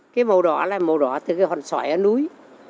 cái màu đỏ là màu đỏ từ cái hòn sỏi ở núi